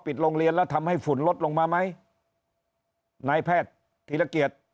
โรงเรียนแล้วทำให้ฝุ่นลดลงมาไหมนายแพทย์ธีรเกียจ